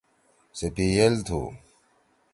سے پیِئل تُھو۔